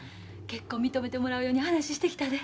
結婚認めてもらうように話してきたで。